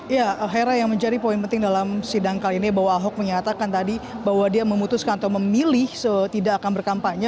ya hera yang menjadi poin penting dalam sidang kali ini bahwa ahok menyatakan tadi bahwa dia memutuskan atau memilih tidak akan berkampanye